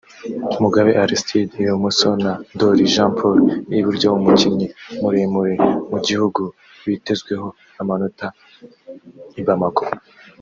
Mugabe Arstide (ibumoso) na Ndoli Jean Paul (iburyo) umukinnyi muremure mu gihugu witezweho amanota i Bamako